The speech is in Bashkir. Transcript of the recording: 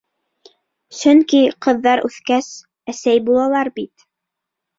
Сөнки ҡыҙҙар үҫкәс, әсәй булалар бит...